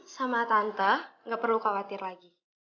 sama tante gak perlu khawatir lagi